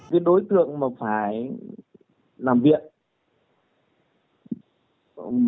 cái đối tượng mà phải làm viện